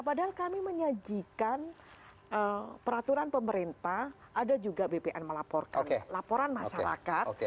padahal kami menyajikan peraturan pemerintah ada juga bpn melaporkan laporan masyarakat